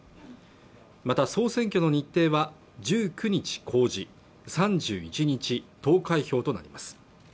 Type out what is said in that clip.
また総選挙の日程は１９日公示３１日投開票となります